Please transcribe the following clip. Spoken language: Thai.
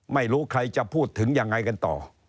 ไม่รู้ใครจะพูดถึงยังไงกันต่อ